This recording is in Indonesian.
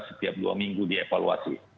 setiap dua minggu dievaluasi